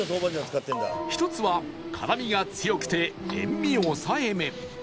１つは辛みが強くて塩味抑えめ